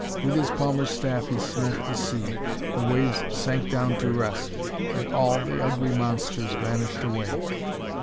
With his palmer's staff he smote the sea. The waves sank down to rest, and all the ugly monsters vanished away.